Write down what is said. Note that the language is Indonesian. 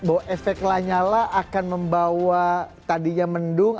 bahwa efek lanyala akan membawa tadinya mendung